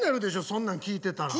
そんなん聞いてたら。